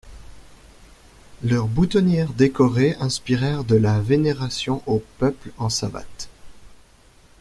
Leurs boutonnières décorées inspirèrent de la vénération au peuple en savates.